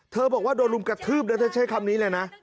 บอกว่าโดนรุมกระทืบนะเธอใช้คำนี้เลยนะ